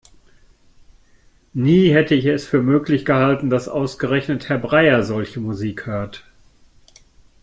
Nie hätte ich für möglich gehalten, dass ausgerechnet Herr Breyer solche Musik hört!